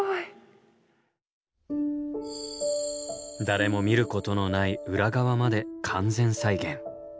誰も見ることのない裏側まで完全再現。